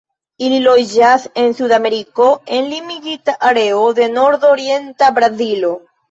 Ili loĝas en Sudameriko en limigita areo de nordorienta Brazilo.